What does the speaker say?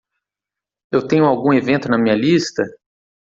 Eu tenho algum evento na minha lista?